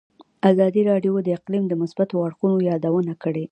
ازادي راډیو د اقلیم د مثبتو اړخونو یادونه کړې.